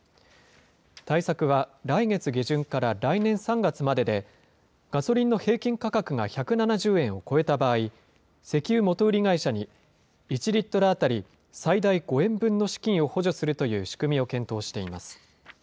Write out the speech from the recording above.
対策は来月下旬から来年３月までで、ガソリンの平均価格が１７０円を超えた場合、石油元売り会社に１リットル当たり、最大５円分の資金を補助するという仕組みを検討しています。